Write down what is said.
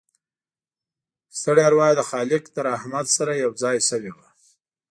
ستړې اروا يې د خالق له رحمت سره یوځای شوې وه